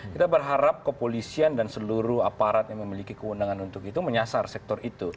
kita berharap kepolisian dan seluruh aparat yang memiliki kewenangan untuk itu menyasar sektor itu